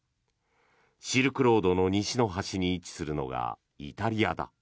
シルクロードの西の端に位置するのがイタリアだ。